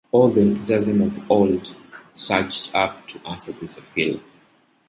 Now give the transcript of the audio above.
All the enthusiasm of old surged up to answer this appeal.